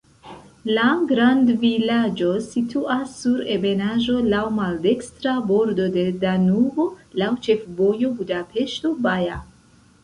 La grandvilaĝo situas sur ebenaĵo, laŭ maldekstra bordo de Danubo, laŭ ĉefvojo Budapeŝto-Baja.